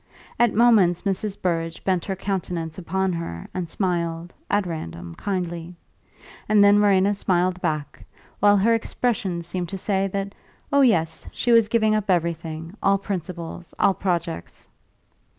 At moments Mrs. Burrage bent her countenance upon her and smiled, at random, kindly; and then Verena smiled back, while her expression seemed to say that, oh yes, she was giving up everything, all principles, all projects.